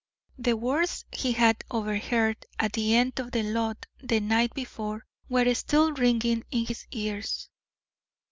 The words he had overheard at the end of the lot the night before were still ringing in his ears.